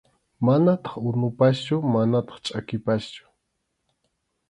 Manataq unupaschu manataq chʼakipaschu.